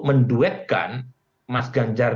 menduetkan mas ganjar